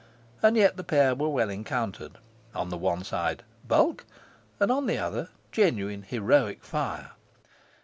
And yet the pair were well encountered: on the one side, bulk on the other, genuine heroic fire.